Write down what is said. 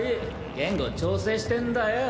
言語調整してんだよ。